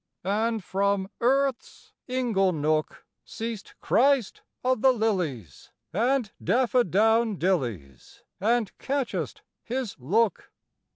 And from earth's inglenook Seest Christ of the lilies And daffadowndillies, And catchest His look.